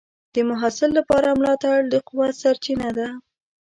د محصل لپاره ملاتړ د قوت سرچینه ده.